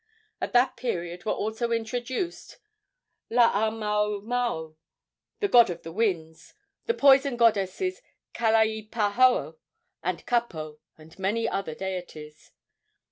At that period were also introduced Laamaomao, the god of the winds, the poison goddesses Kalaipahoa and Kapo, and many other deities.